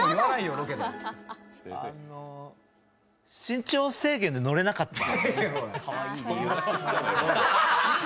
身長制限で乗れなかった。